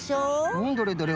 うんどれどれ？